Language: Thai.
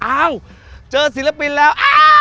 อ้าวเจอศิลปินแล้ว